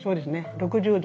６０度。